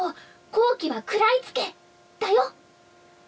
好機は食らいつけ！だよ！」